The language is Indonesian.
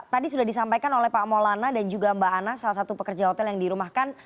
tadi sudah disampaikan oleh pak maulana dan juga mbak ana salah satu pekerja hotel yang dirumahkan